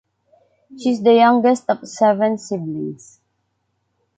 She’s the youngest of seven siblings.